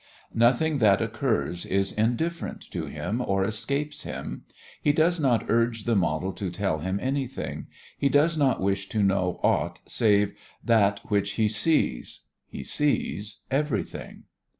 Nothing that occurs is indifferent to him or escapes him. He does not urge the model to tell him anything, he does not wish to know aught save that which he sees. He sees everything.